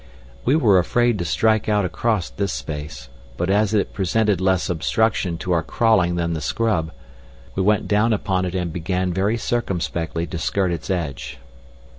We were afraid to strike out across this space, but as it presented less obstruction to our crawling than the scrub, we went down upon it and began very circumspectly to skirt its edge.